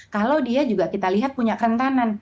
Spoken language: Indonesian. kalau dia juga kita lihat punya kerentanan